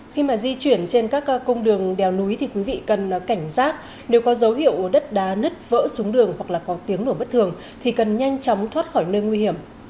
khi mà di chuyển trên các cung đường đèo núi thì quý vị cần cảnh giác nếu có dấu hiệu đất đá nứt vỡ xuống đường hoặc là có tiếng nổ bất thường thì cần nhanh chóng thoát khỏi nơi nguy hiểm